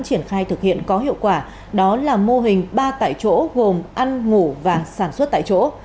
triển khai thực hiện có hiệu quả đó là mô hình ba tại chỗ gồm ăn ngủ và sản xuất tại chỗ